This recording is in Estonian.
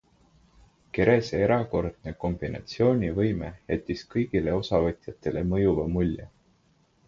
Kerese erakordne kombinatsioonivõime jättis kõigile osavõtjatele mõjuva mulje.